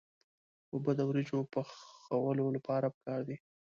اوبه د وریجو پخولو لپاره پکار دي.